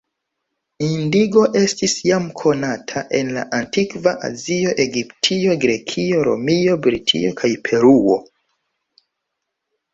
Indigo estis jam konata en la antikva Azio, Egiptio, Grekio, Romio, Britio kaj Peruo.